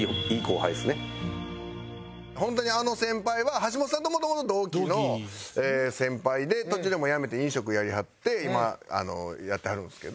ホントにあの先輩は橋本さんと元々同期の先輩で途中でもう辞めて飲食やりはって今やってはるんですけど。